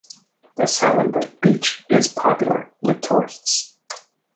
The Sahlenburg beach is popular with tourists.